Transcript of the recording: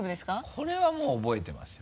これはもう覚えてますよ。